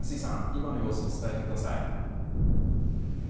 今の様子を伝えてください。